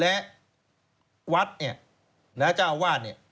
และวัดเนี่ยแล้วเจ้าอาวาส